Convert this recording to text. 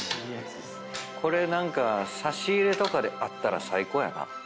これ何か差し入れとかであったら最高やな。